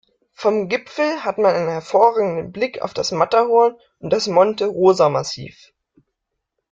Vom Gipfel hat man einen hervorragenden Blick auf das Matterhorn und das Monte-Rosa-Massiv.